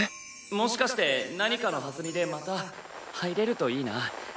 もしかして何かのはずみでまた入れるといいな。